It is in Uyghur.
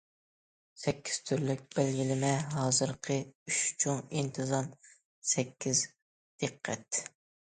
سەككىز تۈرلۈك بەلگىلىمە ھازىرقى« ئۈچ چوڭ ئىنتىزام، سەككىز دىققەت».